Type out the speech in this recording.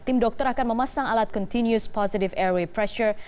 tim dokter akan memasang alat continuous positive air pressure